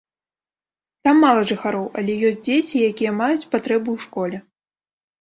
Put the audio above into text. Там мала жыхароў, але ёсць дзеці, якія маюць патрэбу ў школе.